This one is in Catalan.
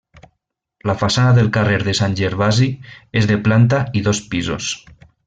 La façana del carrer de Sant Gervasi és de planta i dos pisos.